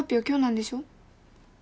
今日なんでしょ？